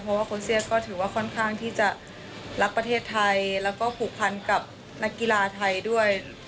เพราะว่าโคเซียสก็ถือว่าค่อนข้างที่จะรักประเทศไทยแล้วก็ผูกพันกับนักกีฬาไทยด้วย